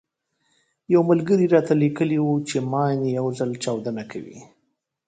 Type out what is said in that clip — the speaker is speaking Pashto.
يو ملګري راته ليکلي وو چې ماين يو ځل چاودنه کوي.